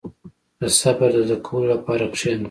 • د صبر د زده کولو لپاره کښېنه.